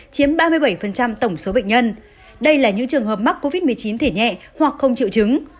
chiếm ba mươi bảy tổng số bệnh nhân đây là những trường hợp mắc covid một mươi chín thể nhẹ hoặc không chịu chứng